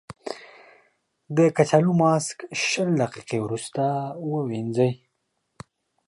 د کچالو ماسک شل دقیقې وروسته ووينځئ.